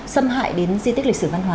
xâm hại đến di tích lịch sử văn hóa